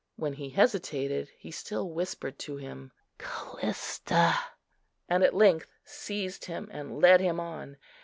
When he hesitated, he still whispered to him "Callista," and at length seized him and led him on.